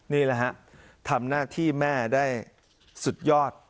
นี่แหละฮะทำหน้าที่แม่ได้สุดยอด